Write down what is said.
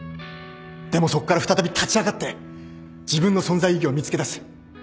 でもそこから再び立ち上がって自分の存在意義を見つけ出す。